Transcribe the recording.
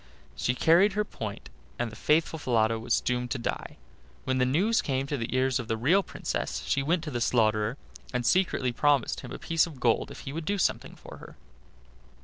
She carried her point, and the faithful Falada was doomed to die. When the news came to the ears of the real Princess she went to the slaughterer, and secretly promised him a piece of gold if he would do something for her.